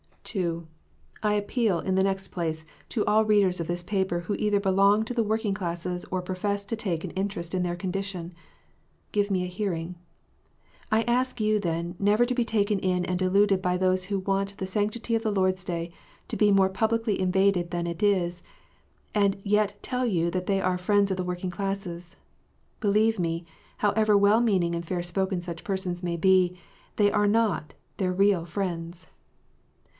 (2) I appeal, in the next place, to all readers of this paper, THE SABBATH. 319 * who either belong to the working classes, or profess to take an interest in their condition. Give me a hearing. I ask you, then, never to be taken in and deluded by those who want the sanctity of the Lord s Day to be more publicly invaded than it is, and yet tell you they are "the friends of the working classes." Believe me, however well meaning and fair spoken such persons may be, they are not their real friends.